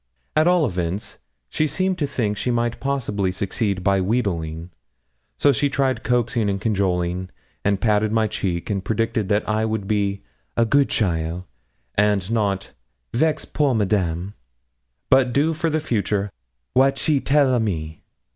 At all events, she seemed to think she might possibly succeed by wheedling; so she tried coaxing and cajoling, and patted my cheek, and predicted that I would be 'a good cheaile,' and not 'vex poor Madame,' but do for the future 'wat she tell a me.'